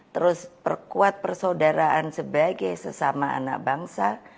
terus perkuat persaudaraan sebagai sesama anak bangsa